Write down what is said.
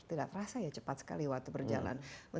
tidak terasa ya cepat sekali waktu berjalan